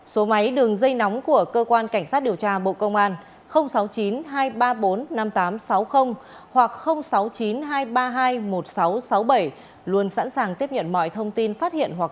số máy đường dây nóng của cơ quan cảnh sát điều tra bộ công an sáu mươi chín hai trăm ba mươi bốn năm nghìn tám trăm sáu mươi hoặc sáu mươi chín hai trăm ba mươi hai một mươi sáu